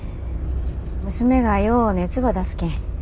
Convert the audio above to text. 娘がよう熱ば出すけん